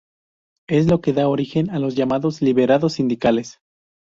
Es lo que da origen a los llamados liberados sindicales.